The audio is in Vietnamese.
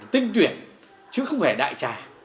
tinh tuyển chứ không phải đại trài